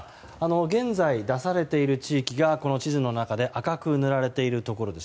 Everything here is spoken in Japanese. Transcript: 現在出されている地域がこの地図の中で赤く塗られているところです。